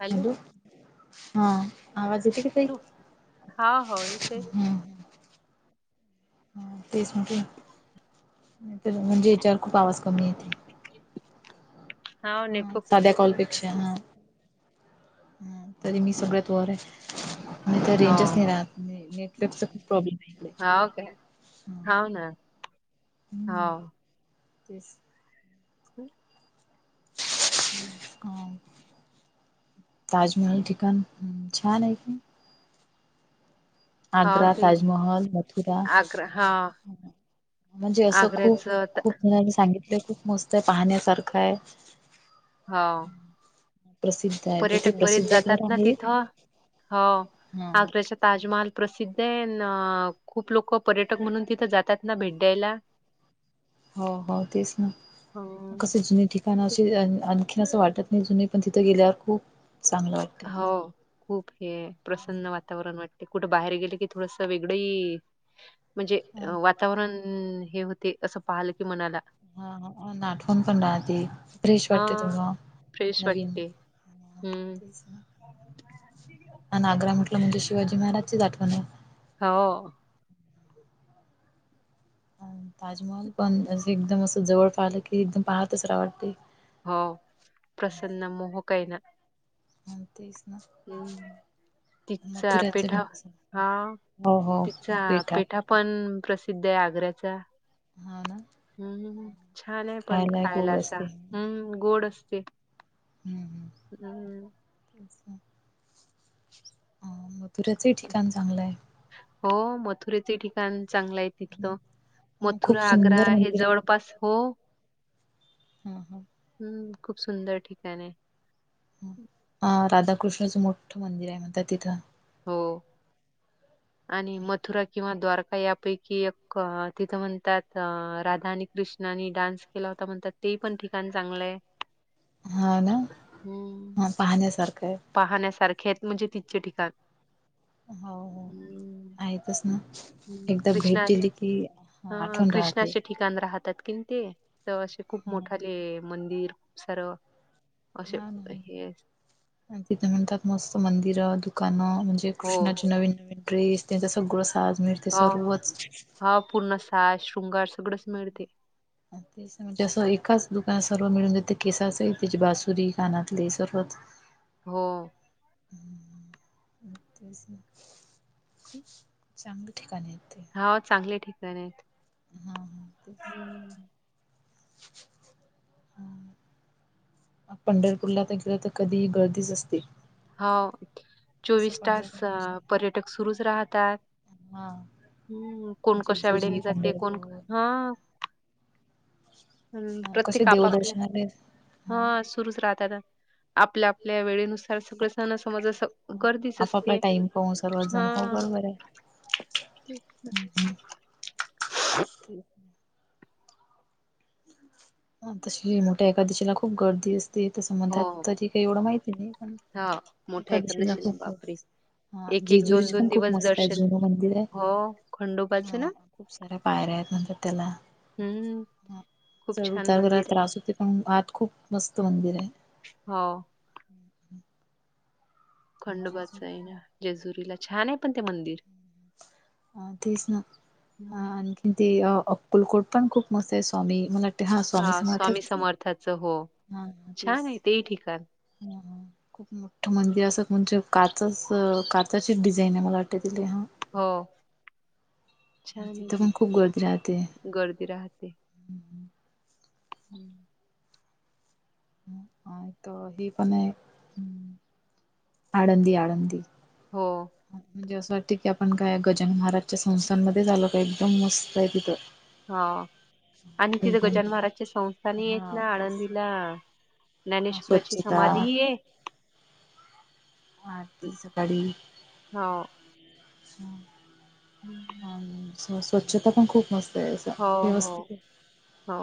Hello हा आवाज येते कि हा हो इथे हा हा तेच म्हंटल नाही तर म्हणजे याच्यावर खूप आवाज कमी येते. हाव ह नेटवर्क साध्या कॉलपेक्षा हा ह तरी मी सगळ्यात वर आहे. नाही तर रेंजच हाव नाही राहत नेटवर्क चा खूप प्रॉब्लेम आहे. इकडे हाव काय, हाव ना, हम्म हाव तेच हम हा ताजमहल ठिकाण छान आहे कि. हाव आग्रा, ते ताजमहल, मथुरा. आग्रा हा म्हणजे असं खूप आग्र्याचं खूप जणांनी सांगितलं. ते खूप मस्त आहे पाहण्यासारखं आहे. हा प्रसिद्ध आहे तर ते पर्यटक बरेच प्रसिद्ध आहे तर जातात ना आहे तिथं हो हा हा अग्रशात. ताजमहल प्रसिद्ध आहे, ना खूप लोक पर्यटक म्हणून तिथं जातात ना भेट द्यायला. हो हो तेच ना हम्म कसे जुनी ठीक. ठिकाण अशी आणखीन असं वाटत नाही जुून पण तिथं गेल्यावर खूप चांगलं वाट. हो खूप हे प्रसन्न वातावरण वाटते कुठे बाहेर गेले की थोडस वेगळंही. हो [inaudible] म्हणजे हा वातावरण हे होते असं पाहल की मनाला हा हा म्हणून आठवण पण राहते फ्रेश हा वाटते थोडं फ्रेश नवीन वाटते. हम्म. तेच आणि आग्रा म्हटलं म्हणजे शिवाजी महाराजची च आठवण आहे हो आणि ताजमहल पण एकदम असं जवळ पाहिलं की एकदम पाहतच रहाव वाटतंय. हो प्रसन्न मोह काय ना हा तेच ना तिचा मथुऱ्याचे पण पेठा तस हा हो हो तिचा पेठा पण प्रसिद्ध आहे आग्र्याचा हो ना हम्म हम्म हम्म छान आहे पण खायला असा हम्म गोड असते हम्म असा तुऱ्याचही ठिकाण चांगलं आहे हो मथुरेचे ठिकाण चांगलं आहे तिथलं हम्म. खूप मथुरा आग्रा सुंदर हे मंदिर जवळपास हो हा हा हम्म खूप सुंदर ठिकाण आहे हा राधाकृष्णाचं मोठं मंदिर आहे म्हणतात तिथं हो [inaudible] आणि मथुरा किंवा द्वारका यापैकी एक तिथं म्हणतात राधानी कृष्णानी डान्स केला होता म्हणतात ते पण ठिकाण चांगलंय हा ना ह पाहण्यासारखं आहे. पाहण्यासारखे आहेत म्हणजे तिथचे ठिकाण. हो हो हम्म. आहेतच ना. हम्म एकदा भेट कृष्णास दिली की हा अ आठवण राहते. कृष्णाचे ठिकाण राहतात किनी ते तर असे खूप हा मोठाले मंदिर खूप सारं असे हे आणि तिथ म्हणतात मस्त मंदिरं, दुकानं म्हणजे हो कृष्णाची नवीन नवीन ड्रेस त्यांच सगळं साज मिळते ह सर्वच हा पूर्ण साज, शृंगार सगळंच मिळते. हा तेचं म्हणजे असं एकाच दुकानात सर्व मिळून जात केसाच, त्याचे बासुरी, कानातले सर्वच. हो. हा तेच ना चांगलं ठिकाण आहेत ते. हा चांगले ठिकाण आहेत. हा हा तेच हम्म. पंढरपूरला तर गेलं तर कधीही गर्दीच असते. हाव कसं चोवीस तास पंढरपूर म्हणजे पर्यटक सुरुच राहतात. हा हम्म कोण कशा जेजुरी वेळेने जाते कोण पंढरपूर हा हम्म कसे प्रत्येक आपापल्या देवदर्शनाला हा सुरूच राहतात आपल्या आपल्या वेळेनुसार सगळ सण समज गर्दीच आपापला असते टाइम पाहून सर्वजण हो हां. बरोबर आहे हम्म हम्म. [inaudible] तशी लय मोठ्या एकादशीला खूप गर्दी असते तस म्हणतात हो तरी काही एवढ माहिती नाही पण हा मोठ्या एकादशीला खूप गर्दी बापरे! असते. हा एक एक दोन जेजुरीची दोन पण खूप दिवस मस्त आहे दर्शन जुन मंदिर आहे हो खंडोबाचं ना हां. खूप साऱ्या पायऱ्या आहेत नंतर त्याला. हम्म. हा खूप चढ छान उतारायला मंदिर आहे त्रास होतय पण आत खूप मस्त मंदिर आहे. हो. खंडोबाच आहे ना जेजुरीला छान आहे पण ते मंदिर. तेच ना आणखीन ते अक्कुलकोट पण खूप मस्त आहे स्वामी मला हां स्वामी हा समर्थांच समर्थाचं हो हा ते छान आहे तेही ठिकाण खूप मोठ्ठ हं. मंदिर अस म्हणजे काचाच काचाचीच डिझाईन आहे मला वाटते तीथे हां. हो छान आहे तिथं पण खूप तिथे गर्दी राहते गर्दी राहते. हम्म. हा इथ हे पण आहे आळंदी आळंदी. हो. म्हणजे अस वाटते की आपण काय गजानन महाराजच्या संस्थानमध्येच आलो की काय एकदम मस्त आहे तिथ. हां आणि तिथे गजानन महाराजांची संस्थानी आहेत हा ना तेच आळंदीला. ज्ञानेश्वरांची स्वच्छता समाधी ये. आरती सकाळी. हो हम्म. स्व स्वच्छता पण खूप मस्त. त्यायच हो हो व्यवस्थित ये. हो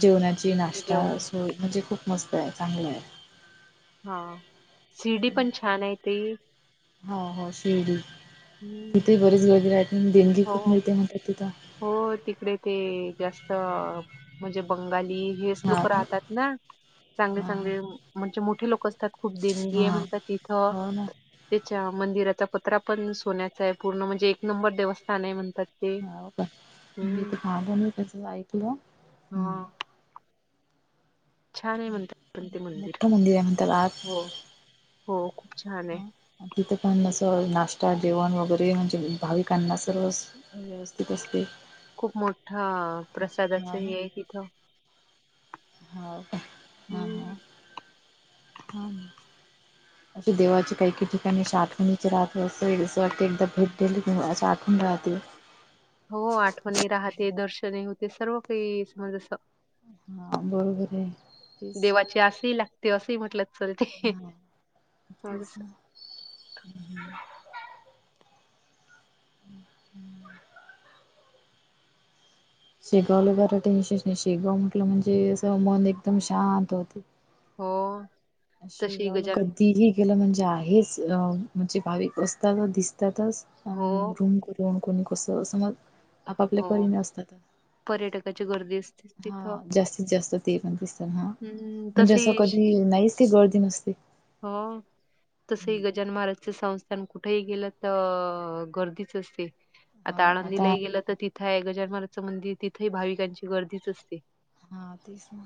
जेवणाची, नाश्ता जेवण सोय म्हणजे खूप मस्त आहे चांगल आहे. हां शिर्डी पण छान आहे ती. हां हां शिर्डी हम्म. तिथे बरीच गर्दी राहते देणगी हो खूप मिळते म्हणतात तिथ. हो तिकडे ते जास्त म्हणजे बंगाली हेच लोक राहतात ना. चांगले हा हा चांगले म्हणजे मोठे लोक असतात, खूप देणगी आहे हा म्हणतात तिथ. हो ना त्याच्या मंदिराचा पत्रा पण सोन्याचा आहे पूर्ण, म्हणजे एक नंबर देवस्थान आहे म्हणतात ते. हो का मी हम्म तर खांब [unintelligible] त्याचच ऐकल. हां. छान आहे म्हणतात ते मंदिर. मोठं आहे म्हणतात आत हो हो खूप छान आहे. तिथ पण अस नाश्ता, जेवण वगैरे म्हणजे भाविकांना सर्वच व्यवस्थित असते. खूप मोठा प्रसादाच हे आहे तिथ. हो का हां हां हम्म. हो. [inaudible] देवाची काही काही ठिकाणी अशी आठवणीची राहते अस वाटतय एकदा भेट देली की अस आठवण राहते. हो आठवणही राहते दर्शनही होते सर्व काही समज अस. हां बरोबरय. देवाची आसही लागते असही म्हंटल हां तेच असं ना. [unintelligible] शेगावला जरा टेन्शस नाही. शेगाव म्हटल म्हणजे अस मन एकदम शांत होते. हो तशी शेगावला गजानन कधीही गेल म्हणजे आहेच अ म्हणजे भाविक असतातच दिसतातच. हो, अम्म रूम करु कोण कोणी कस समज आप आपल्या हो. परीने असतातच. पर्यटकाची गर्दी असतेच तिथं. हा जास्तीत जास्त ते पण दिसतना हा. हम्म, म्हणजे अस तसेही कधी नाहीच ते गर्दी नसते. हा तसही गजानन महाराजच संस्थान कुठेही गेल तर गर्दीच असते. आता आळंदीलाही गेल तर तिथ आहे गजानन महाराज मंदिर. तिथेही भाविकांची गर्दीच असते. हा तेच ना.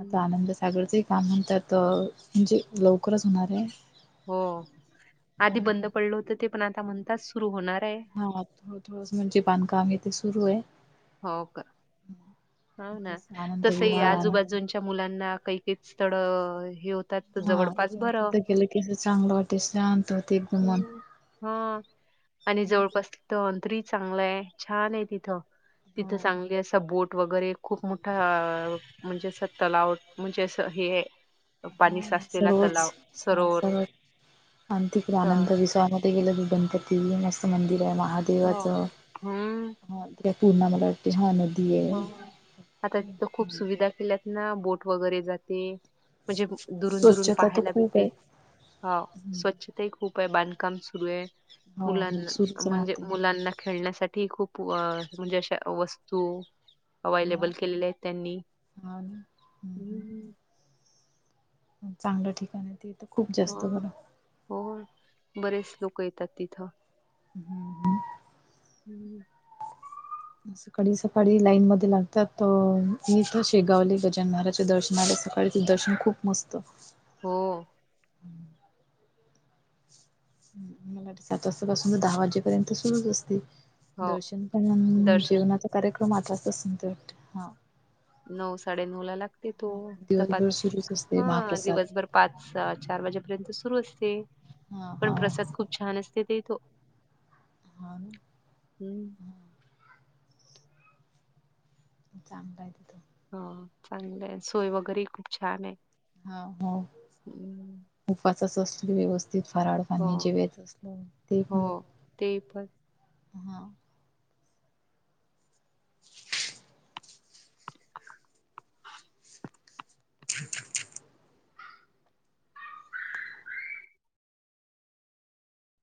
आता आनंद सागरचे काम म्हणत्यात, म्हणजे लवकरच होणार आहे. हो आधी बंद पडल होत ते. पण आता म्हणतात सुरू होणार आहे. हा थोड थोडच म्हणजे बांधकाम आहे ते सुरुये. हो का, हो ना, तेच आनंद तसही विहार आनंद आजूबाजूच्या मुलांना काही तेच स्थळ हे होतात तर जवळपास बर. तिथ चांगल वाटे, शांत होते. एकदम मन. हम्म हा, आणि जवळपास तिथ अंतरी चांगलय आहे. छान आहे तिथ. तिथं हो चांगली अस बोट वगैरे खुप मोठा अ म्हणजे अस तलाव. म्हणजे अस हे आहे. पाणी साचलेला सर्वच तलाव सरोवर. सर्व आणि तिकडे तर आनंद विसावामध्ये गेल गणपती मस्त मंदिर आहे महा हो. देवाच. हं. हा त्या पूर्ण मला वाटते, हा नदी ये. मंग आता तिथ खूप सुविधा केल्यात. ना बोट वगैरे जाते. म्हणजे दुरून दुरून स्वच्छता तर पाहायला खूप आहे भेटते. हा स्वच्छता ही खूप आहे. बांधकाम सुरू आहे. हो हो मुलांना सुरूच म्हणजे राहते मुलांना खेळण्यासाठीही खूप अ म्हणजे अश्या वस्तू ह अवेलेबल केलेल्या आहेत त्यांनी. हा चांगलं ठिकाण आहे ते तर. खूप जास्त बर हो बरेच लोक येतात तिथ. [inaudible] [unintelligible] सकाळी सकाळी लाईन मध्ये लागतात. त इथ शेगावले गजानन महाराजच्या दर्शनाले आणि ते दर्शन खूप मस्त. हो मलाठी सात वाजतापासून तर दहा वाजेपर्यंत सुरूच असते. हो दर्शन पण दर्शन जेवणाचा कार्यक्रम अर्धा तास नंतर नऊ साडे नऊ ला लागते तो तपाच दिवसभर सुरूच असते हा महाप्रसाद दिवसभर पाच, चार वाजेपर्यंत सुरू असते. हा हा पण प्रसाद खूप छान असते ते इथ. हा. हम्म चांगल आहे तिथ. ह चांगल आहे. सोय वगैरेही खूप छान आहे. हा हो, हम्म. उपवासाच असतो की व्यवस्थित फराळ. हो आणि जेवायच असत ते हो पण ते पण हा [unintelligible] [unintelligible]